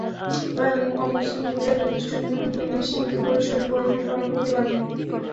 তবে অমুসলিমরা নির্দিষ্ট নিয়ম মেনে সীমিত পরিসরে বড়দিন পালন করতে পারবেন।